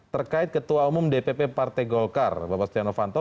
terkait ketua umum dpp partai golkar bapak setia novanto